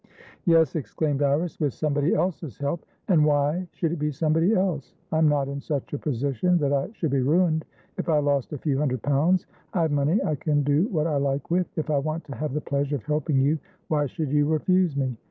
"Yes," exclaimed Iris, "with somebody else's help. And why should it be somebody else? I'm not in such a position that I should be ruined if I lost a few hundred pounds. I have money I can do what I like with. If I want to have the pleasure of helping you, why should you refuse me?